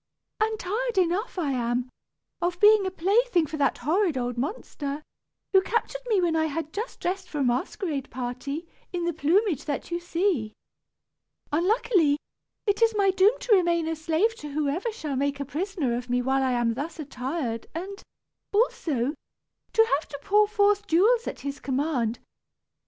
"And tired enough I am, of being a plaything for that horrid old monster, who captured me when I had just dressed for a masquerade party, in the plumage that you see. Unluckily, it is my doom to remain a slave to whosoever shall make a prisoner of me whilst I am thus attired and, also, to have to pour forth jewels at his command.